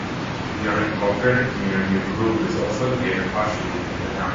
The unincorporated community of Rube is also located partially in the town.